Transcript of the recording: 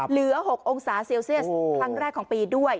เหลือ๖องศาเซลเซียสครั้งแรกของปีด้วย